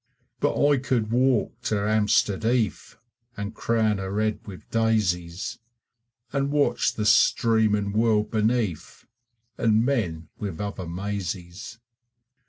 But I could walk to Hampstead Heath, And crown her head with daisies, And watch the streaming world beneath, And men with other Maisies.